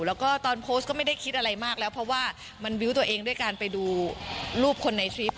แล้วก็ตอนโพสต์ก็ไม่ได้คิดอะไรมากแล้วเพราะว่ามันบิวต์ตัวเองด้วยการไปดูรูปคนในทริป